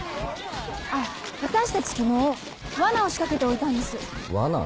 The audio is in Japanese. あ私たち昨日罠を仕掛けておいたんです罠？